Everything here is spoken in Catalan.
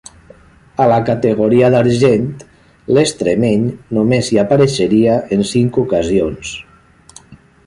A la categoria d'argent, l'extremeny només hi apareixeria en cinc ocasions.